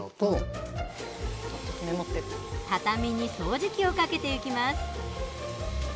畳に掃除機をかけていきます。